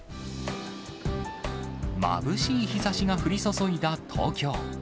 まぶしい日ざしが降り注いだ東京。